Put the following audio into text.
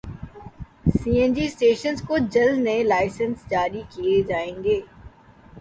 سی N G stations کو جلد نئے لائسنس جاری کیے جائیں گے